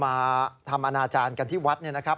มาทำอนาจารย์กันที่วัดเนี่ยนะครับ